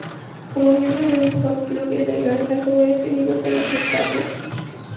Como miembro de un "Hot Club" ilegal acabó detenido por la Gestapo.